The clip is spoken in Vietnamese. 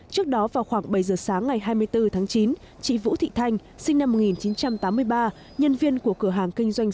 trước đó vào khoảng bảy giờ sáng ngày hai mươi bốn tháng chín chị vũ thị thanh sinh năm một nghìn chín trăm tám mươi ba nhân viên của cửa hàng kinh doanh